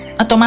atau mati juga